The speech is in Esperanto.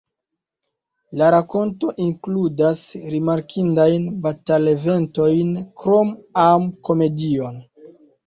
La rakonto inkludas rimarkindajn batal-eventojn krom am-komedion.